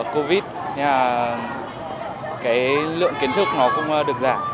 covid một mươi chín lượng kiến thức cũng được giảm